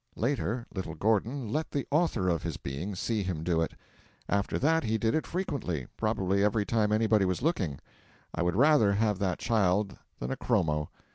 Later, little Gordon let the author of his being see him do it. After that he did it frequently; probably every time anybody was looking. I would rather have that child than a chromo.